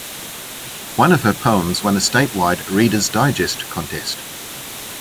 One of her poems won a statewide "Reader's Digest" contest.